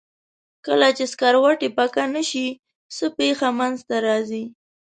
کله چې سکروټې پکه نه شي څه پېښه منځ ته راځي؟